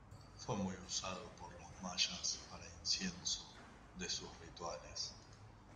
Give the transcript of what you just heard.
Fue muy usado por los mayas para incienso, de sus rituales.